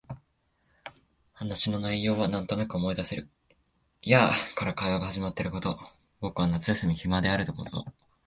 話の内容はなんとなく思い出せる。やあ、から会話が始まったこと、僕は夏休み暇であること、